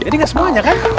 jadi nggak semuanya kan